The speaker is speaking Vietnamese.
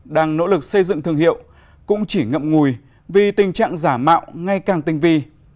đang nỗ lực xây dựng thương hiệu cũng chỉ ngậm ngùi vì tình trạng giả mạo ngay càng tinh vi